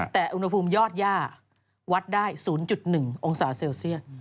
แต่อุณหภูมิยอดย่าวัดได้๐๑องศาเซลเซียส